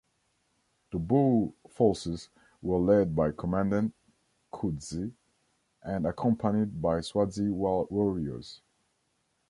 The Boer forces were led by Commandant Coetzee and accompanied by Swazi warriors.